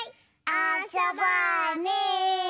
あそぼうね！